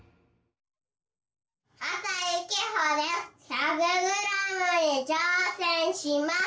「１００グラム」にちょうせんします。